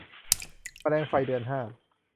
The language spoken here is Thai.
แมลงไฟเดือนห้า